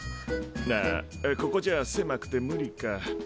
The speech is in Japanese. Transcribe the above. ああここじゃせまくて無理か。